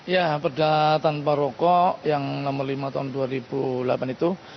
ya perda tanpa rokok yang nomor lima tahun dua ribu delapan itu